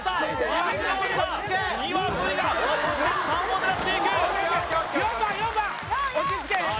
どうした２は無理だそして３を狙っていく４番４番４４さあ